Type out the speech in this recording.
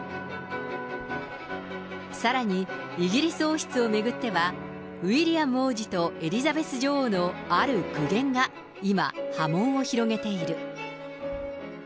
さらに、イギリス王室を巡っては、ウィリアム王子とエリザベス女王のある苦言が今、波紋を広げている。